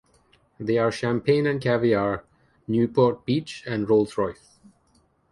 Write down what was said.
They are champagne and caviar, Newport Beach and Rolls Royce.